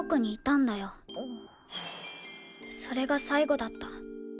それが最後だった。